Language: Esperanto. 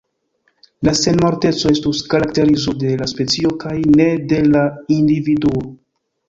La senmorteco estus karakterizo de la specio kaj ne de la individuo.